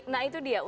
nah itu dia